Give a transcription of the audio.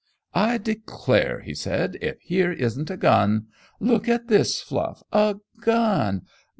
"I declare," he said, "if here isn't a gun! Look at this, Fluff a gun!